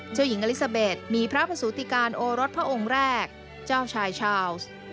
เจ้าหญิงอลิซาเบสมีพระประสูติการโอรสพระองค์แรกเจ้าชายชาวส์